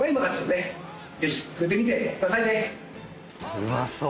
うまそう。